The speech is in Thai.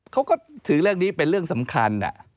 เขาก็ถือเรื่องนี้เป็นเรื่องสำคัญ